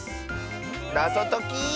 なぞとき。